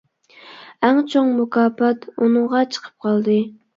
ئەڭ چوڭ مۇكاپات ئۇنىڭغا چىقىپ قالدى.